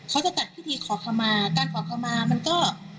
เขาจะจัดพิธีขอขมาการขอขมามันก็